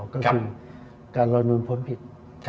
ก็คือการลอยนวลพ้นผิด